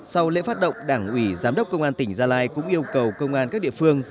sau lễ phát động đảng ủy giám đốc công an tỉnh gia lai cũng yêu cầu công an các địa phương